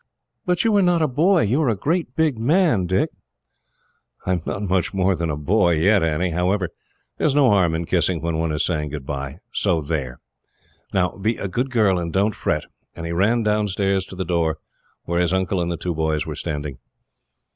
"But you are not a boy. You are a great big man, Dick." "I am not much more than a boy yet, Annie. However, there is no harm in kissing, when one is saying goodbye, so there. "Now be a good girl, and don't fret;" and he ran downstairs to the door, where his uncle and the two boys were standing.